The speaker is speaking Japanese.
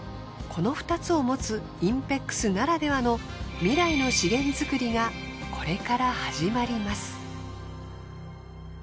この２つを持つＩＮＰＥＸならではの未来の資源づくりがこれから始まります。